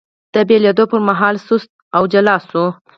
د پیلېدو پر مهال سست او جلا شو،